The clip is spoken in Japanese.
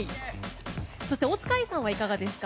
そして大塚愛さんはいかがですか？